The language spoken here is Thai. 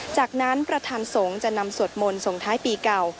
จากนั้นประธานสงฆ์จะนำสวดมนต์ส่งท้ายปีเก่า